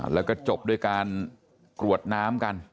แล้วก็จบด้วยการกรวดน้ำกัน